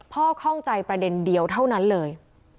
ข้อข้องใจประเด็นเดียวเท่านั้นเลย